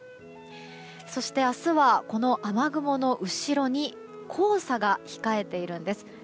そして明日は、この雨雲の後ろに黄砂が控えているんです。